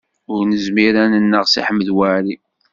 Ur nezmir ad nneɣ Si Ḥmed Waɛli.